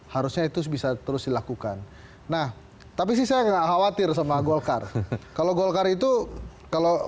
harusnya itu bisa terus dilakukan nah tapi sih saya nggak khawatir sama golkar kalau golkar itu kalau